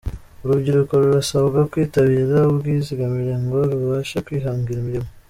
Urubyiruko rurasabwa kwitabira ubwizigamire ngo rubashe kwihangira imirimo